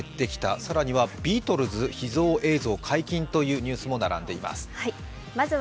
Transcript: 更にはビートルズ秘蔵映像解禁というニュースも並んでいます。